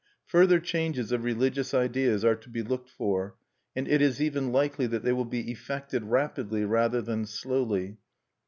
Further changes of religious ideas are to be looked for; and it is even likely that they will be effected rapidly rather than slowly.